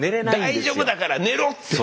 大丈夫だから寝ろって。